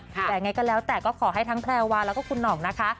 แต่ยังไงก็แล้วแต่ก็ขอให้ทั้งแพลวาแล้วก็คุณหน่องนะคะ